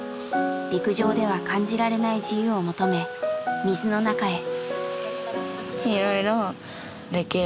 陸上では感じられない自由を求め水の中へ。